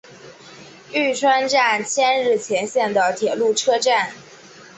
玉川站千日前线的铁路车站。